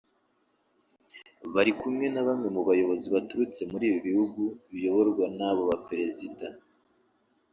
bari kumwe na bamwe mu bayobozi baturutse muri ibi bihugu biyoborwa n’abo Baperezida